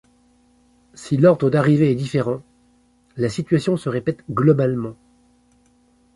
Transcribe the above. Si l'ordre d'arrivée est différent, la situation se répète globalement.